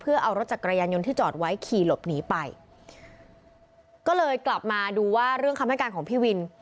เพื่อเอารถจักรยานยนต์ที่จอดไว้ขี่หลบหนีไปก็เลยกลับมาดูว่าเรื่องคำให้การของพี่วิน